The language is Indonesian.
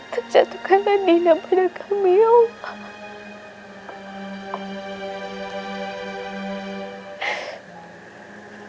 terjatuhkanlah dina pada kami ya allah